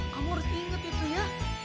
kamu harus inget itu ya